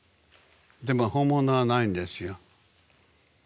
でも本物はないんですよ。